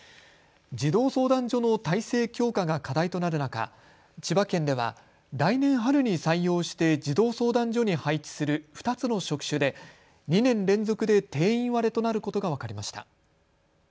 児童相談所の体制強化が課題となる中、千葉県では来年春に採用して児童相談所に配置する２つの職種で２年連続で定員割れとなることが分かりました。